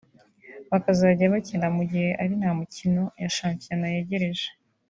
bakazajya bakina mu gihe ari nta mikino ya shampiyona yegereje